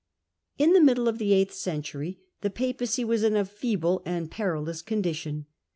In the middle of the eighth century the Papacy was in a feeble and perilous condition.